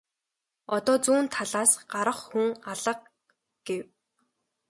Одоо зүүн талаас гарах хүн алга гэв.